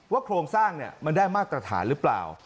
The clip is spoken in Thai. โครงสร้างมันได้มาตรฐานหรือเปล่า